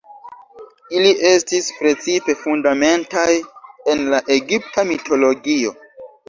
Ili estis precipe fundamentaj en la egipta mitologio.